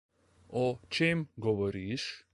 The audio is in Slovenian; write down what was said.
O čem govoriš?